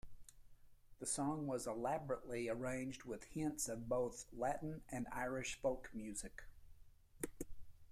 The song is elaborately arranged with hints of both Latin and Irish folk music.